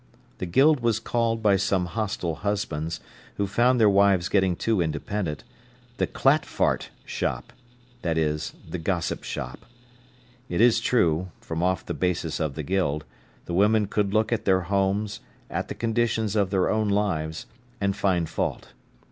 The Guild was called by some hostile husbands, who found their wives getting too independent, the "clat fart" shop—that is, the gossip shop. It is true, from off the basis of the Guild, the women could look at their homes, at the conditions of their own lives, and find fault.